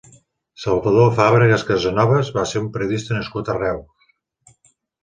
Salvador Fàbregues Casanoves va ser un periodista nascut a Reus.